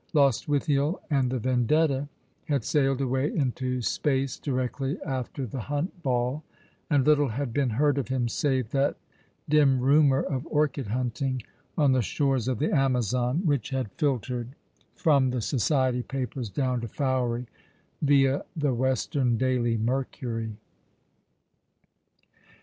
Lost withiel and the Vendetta had sailed away into space directly after the Hunt Ball, and little had been heard of him save that dim rumour of orchid hunting on the shores of the Amazon, which had filtered^ from the society papers down to Fowey, via the Western Daily Mercury.